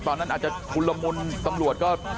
ตอนนั้นอาจจะชุนละมุนตำรวจก็